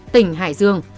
tỉnh hải dương